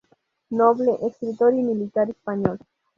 Noble, escritor y militar español.